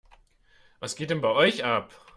Was geht denn bei euch ab?